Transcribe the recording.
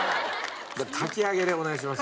かき揚げでお願いします。